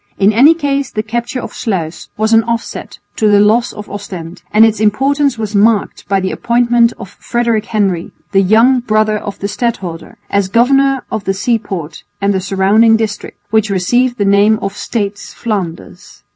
In any case the capture of Sluis was an offset to the loss of Ostend; and its importance was marked by the appointment of Frederick Henry, the young brother of the stadholder, as governor of the seaport and the surrounding district, which received the name of States Flanders.